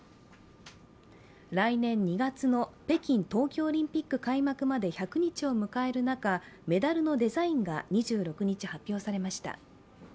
来年２月の北京冬季オリンピック開幕まで１００日を迎える中、メダルのデザインが２６日、発表されました。